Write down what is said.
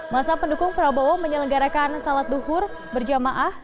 masa pendukung prabowo menyelenggarakan salat duhur berjamaah